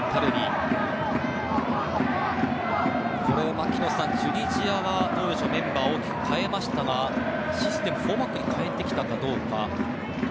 槙野さん、チュニジアはメンバーを大きく代えましたがシステム、４バックに変えてきたかどうか。